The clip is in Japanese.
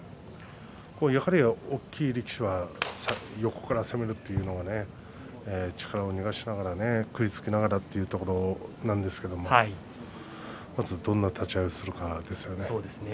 やはり大きい力士は横から攻めるというのがね力を逃がしながら食いつきながらというところなんですけれどもまず、どんな立ち合いをするかですね。